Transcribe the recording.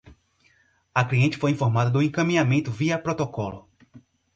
A cliente foi informada do encaminhamento via protocolo